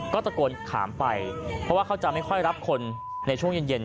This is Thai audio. ก็ตะโกนถามไปเพราะว่าเขาจะไม่ค่อยรับคนในช่วงเย็น